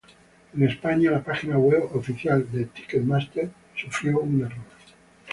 En España, la página web oficial de Ticketmaster, sufrió un error.